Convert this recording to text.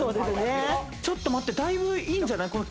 ちょっと待って、だいぶいいんじゃない。